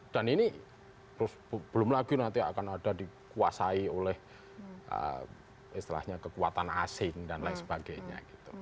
dan ini belum lagi nanti akan ada dikuasai oleh istilahnya kekuatan asing dan lain sebagainya